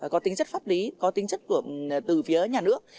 có tính chất pháp lý có tính chất từ phía nhà nước